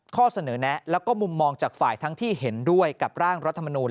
ข้อเสนอแนะแล้วก็มุมมองจากฝ่ายทั้งที่เห็นด้วยกับร่างรัฐมนูล